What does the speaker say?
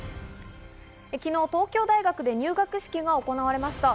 昨日、東京大学で入学式が行われました。